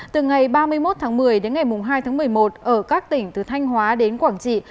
từ ngày ba mươi một tháng một mươi đến ngày hai tháng một mươi một ở các tỉnh từ thanh hóa đến quảng trị